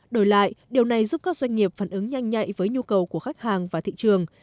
đổi lại điều này giúp các doanh nghiệp phản ứng nhanh nhạy với nhu cầu của khách hàng và thị trường